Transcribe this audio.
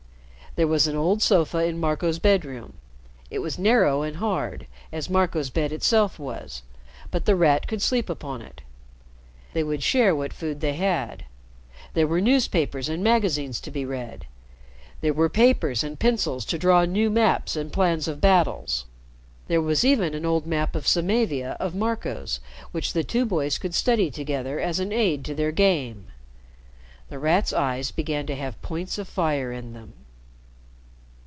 There was an old sofa in Marco's bedroom. It was narrow and hard, as Marco's bed itself was, but The Rat could sleep upon it. They would share what food they had. There were newspapers and magazines to be read. There were papers and pencils to draw new maps and plans of battles. There was even an old map of Samavia of Marco's which the two boys could study together as an aid to their game. The Rat's eyes began to have points of fire in them.